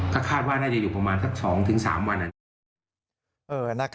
ถ้าคาดว่าน่าจะอยู่ประมาณสัก๒๓วัน